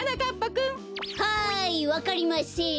はいわかりません。